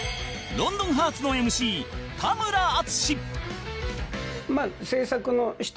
『ロンドンハーツ』の ＭＣ 田村淳